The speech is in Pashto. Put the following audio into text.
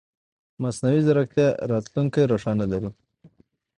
مصنوعي ځیرکتیا راتلونکې روښانه لري.